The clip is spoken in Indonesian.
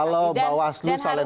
kalau bawaslu soleman